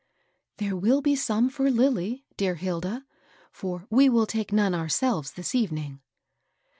" There will be some for Lilly, dear. Hilda ; for we will take none ourselves this evening."